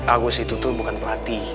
agus itu tuh bukan pelatih